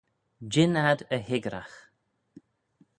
Jean ad y hickyragh.